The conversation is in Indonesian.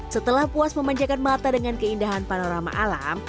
setelah puas memanjakan mata dengan keindahan panorama alam